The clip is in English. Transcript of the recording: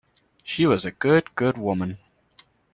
She was a good, good woman!